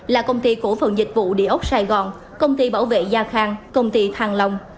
là công ty cổ phần dịch vụ địa ốc sài gòn công ty bảo vệ gia khang công ty thang long